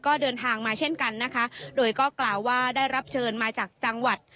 ก็เดินทางมาเช่นกันนะคะโดยก็กล่าวว่าได้รับเชิญมาจากจังหวัด